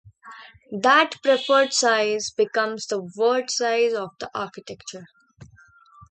That preferred size becomes the word size of the architecture.